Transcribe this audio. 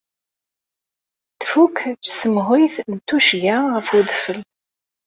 Tfuk tsemhuyt n tuccga ɣef wedfel.